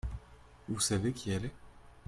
Vous savez qui elle est ?